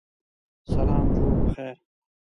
سلام جوړ پخیر